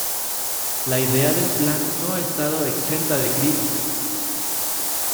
La idea del Plan no ha estado exenta de críticas.